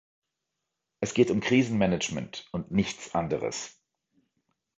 Es geht um Krisenmanagement, und nichts anderes.